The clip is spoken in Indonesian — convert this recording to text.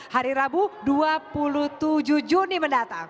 hari rabu dua puluh tujuh juni mendatang